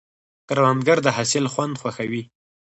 کروندګر د حاصل خوند خوښوي